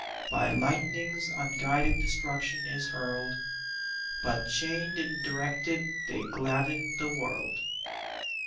By lightnings unguided destruction is hurled, But chained and directed they gladden the world.